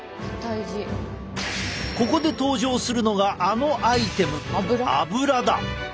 ここで登場するのがあのアイテム